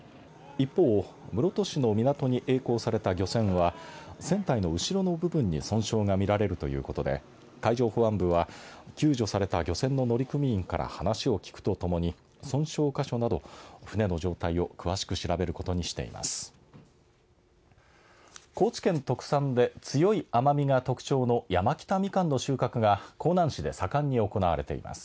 一方、室戸市の港にえい航された漁船は船体の後ろの部分に損傷が見られるということで海上保安部は救助された漁船の乗組員から話を聞くとともに損傷箇所など船の状態を詳しく調べることにしています。